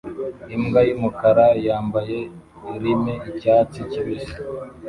Imbwa yumukara yambaye lime icyatsi kibisi